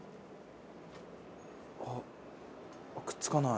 あっくっつかない。